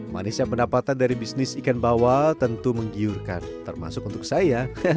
manisnya pendapatan dari bisnis ikan bawal tentu menggiurkan termasuk untuk saya